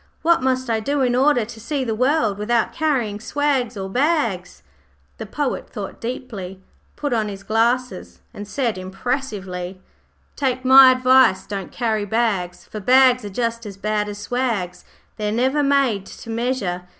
What must I do in order to see the world without carrying swags or bags?' The Poet thought deeply, put on his eyeglass, and said impressively 'Take my advice, don't carry bags, For bags are just as bad as swags; They're never made to measure.